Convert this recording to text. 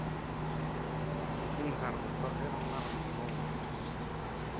Imẓerbeḍḍa d iremmaɣen n wawal.